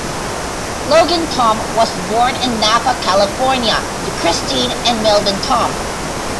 Logan Tom was born in Napa, California, to Kristine and Melvyn Tom.